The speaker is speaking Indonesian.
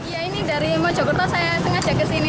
iya ini dari mojokerto saya sengaja kesini